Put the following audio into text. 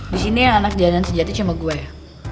di sini anak jalanan sejati cuma gue ya